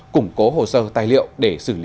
củng cố hồ sơ tài liệu để xử lý